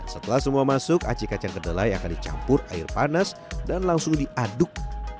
setelah semua masuk aci kacang kedelai akan dicampur air panas dan langsung diaduk